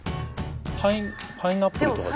パイナップルとかかな